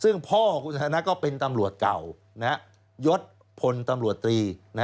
ซึ่งพ่อคุณชนะก็เป็นตำรวจเก่ายศพลตำรวจตรี